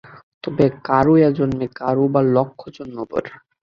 তবে কারও এ জন্মে, কারও বা লক্ষ জন্ম পরে।